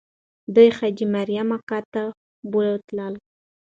دوی حاجي مریم اکا ته بوتلل.